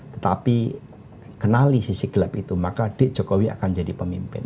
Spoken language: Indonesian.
tetapi kenali sisi gelap itu maka jokowi akan jadi pemimpin